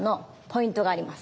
ポイント？